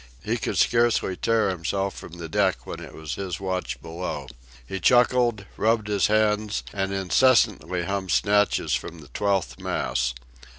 He could scarcely tear himself from the deck when it was his watch below. He chuckled, rubbed his hands, and incessantly hummed snatches from the Twelfth Mass.